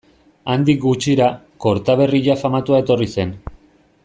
Handik gutxira, Kortaberria famatua etorri zen.